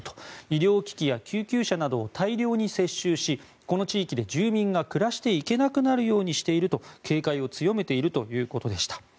医療機器や救急車などを大量に接収しこの地域で住民が暮らしていけなくなるようにしていると警戒を強めているということでした。